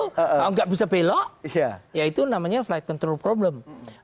kalau nggak bisa belok ya itu namanya flight control problem